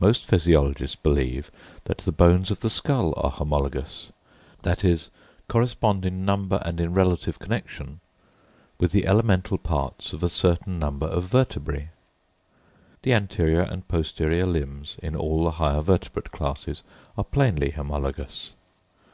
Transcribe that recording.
Most physiologists believe that the bones of the skull are homologous—that is, correspond in number and in relative connexion—with the elemental parts of a certain number of vertebræ. The anterior and posterior limbs in all the higher vertebrate classes are plainly homologous.